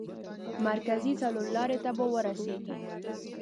مرکزي څلور لارې ته به ورسېږئ.